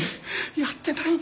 やってないんだ。